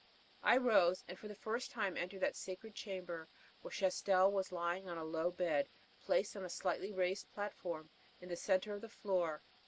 I rose, and for the first time entered that sacred chamber, where Chastel was lying on a low bed placed on a slightly raised platform in the center of the floor.